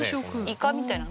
イカみたいな。